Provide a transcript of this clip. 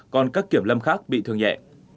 còn các kiểm lâm khác bị thương nhẹ